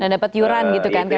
dan dapat yuran gitu kan katanya